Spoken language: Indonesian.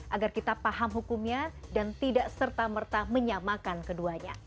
agar kita paham hukumnya dan tidak serta merta menyamakan keduanya